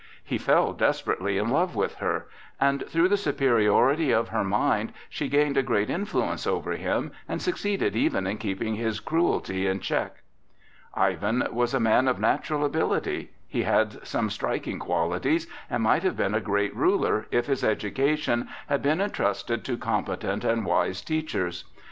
He fell desperately in love with her, and through the superiority of her mind she gained a great influence over him, and succeeded even in keeping his cruelty in check. Ivan was a man of natural ability. He had some striking qualities, and might have been a great ruler if his education had been entrusted to competent and wise teachers.